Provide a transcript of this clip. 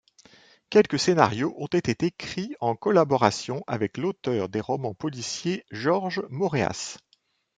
Quelques scénarios ont été écrits en collaboration avec l'auteur de romans policiers Georges Moréas.